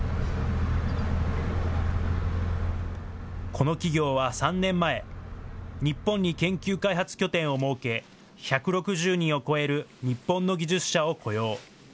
この企業は３年前、日本に研究開発拠点を設け、１６０人を超える日本の技術者を雇用。